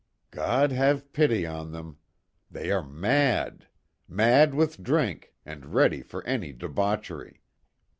"God have pity on them! They are mad! Mad with drink, and ready for any debauchery.